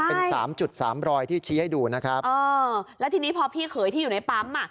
เป็นสามจุดสามรอยที่ชี้ให้ดูนะครับเออแล้วทีนี้พอพี่เขยที่อยู่ในปั๊มอ่ะ